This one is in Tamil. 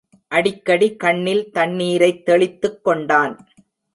அடிக்கடி கண்ணில் தண்ணீரைத் தெளித்துக் கொண்டான்.